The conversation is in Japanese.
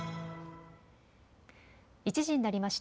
１時になりました。